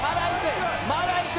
まだいく。